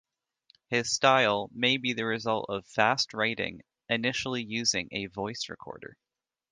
His style may be the result of fast writing initially using a voice recorder.